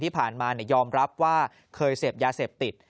ที่ผ่านมายอมรับว่าเคยเสพยาเสพติด